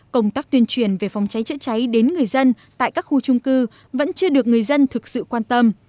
công tác tuyên truyền về phòng cháy chữa cháy đến người dân tại các khu trung cư vẫn chưa được người dân thực sự quan tâm